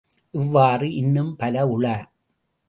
இவ்வாறு இன்னும் பல உள.